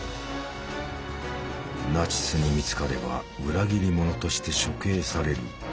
ナチスに見つかれば裏切り者として処刑される。